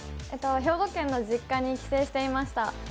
兵庫県の実家に帰省していました。